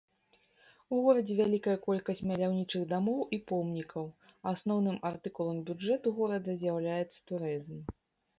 У горадзе вялікая колькасць маляўнічых дамоў і помнікаў, асноўным артыкулам бюджэту горада з'яўляецца турызм.